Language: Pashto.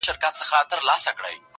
پر انګړ يې د پاتا كمبلي ژاړي!